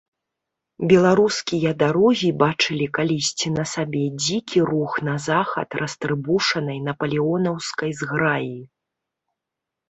Беларускія дарогі бачылі калісьці на сабе дзікі рух на захад растрыбушанай напалеонаўскай зграі.